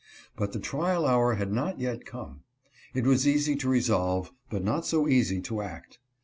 But the trial hour had not yet come. It was easy to resolve, but not so easy to act.